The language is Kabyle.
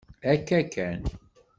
Akka kan!